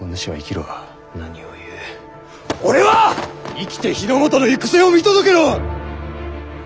生きて日の本の行く末を見届けろ！